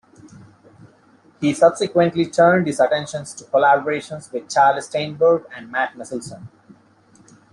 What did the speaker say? He subsequently turned his attentions to collaborations with Charley Steinberg and Matt Meselson.